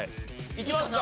いきますか？